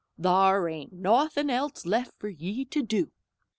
Ther' ain't nawthin' else left fer ye to do'!"